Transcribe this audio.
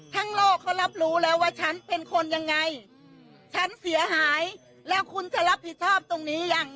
โลกเขารับรู้แล้วว่าฉันเป็นคนยังไงฉันเสียหายแล้วคุณจะรับผิดชอบตรงนี้ยัง